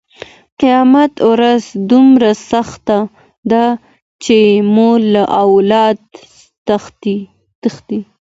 قیامت ورځ دومره سخته ده چې مور له اولاده تښتي.